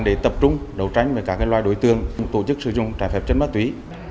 để tập trung đấu tranh với các loài đối tượng tổ chức sử dụng trái phép chất ma túy